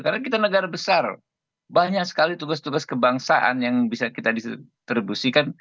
karena kita negara besar banyak sekali tugas tugas kebangsaan yang bisa kita distribusikan